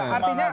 tapi ramai juga